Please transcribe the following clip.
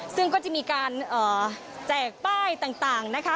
ซึ่งก็จะมีการแจกป้ายต่างนะคะ